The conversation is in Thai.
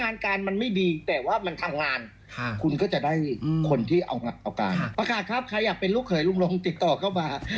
แล้วก็นำเสดอตัวเองว่าตัวเองทำงานอะไรเชิญเลยครับ